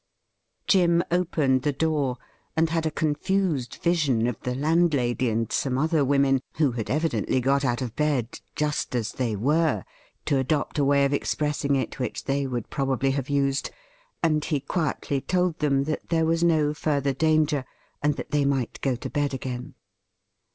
Jim opened the door and had a confused vision of the landlady and some other women, who had evidently got out of bed 'just as they were,' to adopt a way of expressing it which they would probably have used, and he quietly told them that there was no further danger, and that they might go to bed again.